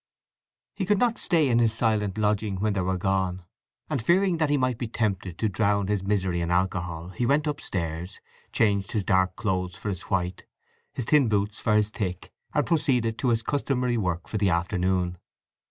He could not stay in his silent lodging when they were gone, and fearing that he might be tempted to drown his misery in alcohol he went upstairs, changed his dark clothes for his white, his thin boots for his thick, and proceeded to his customary work for the afternoon.